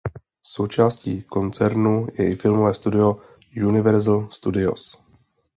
Součástí koncernu je i filmové studio Universal Studios.